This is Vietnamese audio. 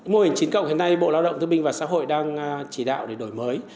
mô hình chín hiện nay bộ lao động thương minh và xã hội đang chỉ đạo để đổi mới